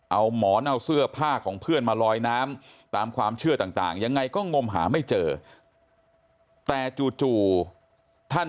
เอาหมอนเอาเสื้อผ้าของเพื่อนมาลอยน้ำ